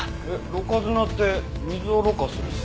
ろ過砂って水をろ過する砂？